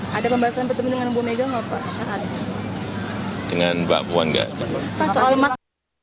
hai dengan bapuan gak ada masalah